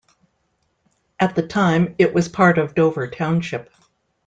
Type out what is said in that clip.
At the time, it was part of Dover Township.